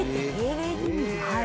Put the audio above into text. はい。